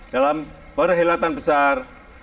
dalam perkhidmatan besar